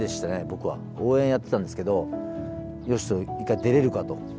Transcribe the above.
僕は応援やってたんですけど「嘉人一回出れるか？」と。